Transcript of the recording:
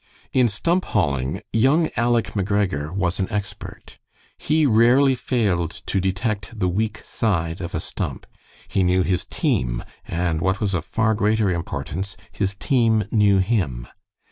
In stump hauling, young Aleck McGregor was an expert. He rarely failed to detect the weak side of a stump. He knew his team, and what was of far greater importance, his team knew him.